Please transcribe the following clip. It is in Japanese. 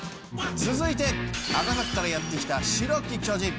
続いて赤坂からやって来た白き巨人。